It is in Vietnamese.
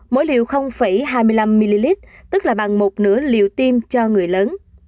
mỗi liều hai mươi năm ml tức là bằng một nửa liều tiêm cho người lớn